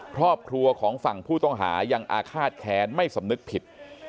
เพราะบทัพโทรของฝั่งผู้ต้องหายังอาฆาตแทนไม่สํนึกผิด